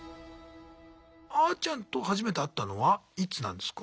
あーちゃんと初めて会ったのはいつなんですか？